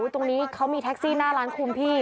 ตรงนี้เขามีแท็กซี่หน้าร้านคุมพี่